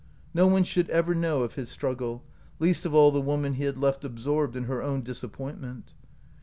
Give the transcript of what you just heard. No one should ever know of his struggle — least of all the woman he had left absorbed in her own disappointment.